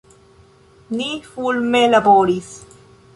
Ni fulme laboris.